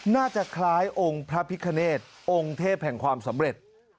น่าจะคล้ายองค์พระพิคเนตองค์เทพแห่งความสำเร็จ